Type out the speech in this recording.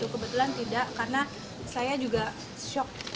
kebetulan tidak karena saya juga shock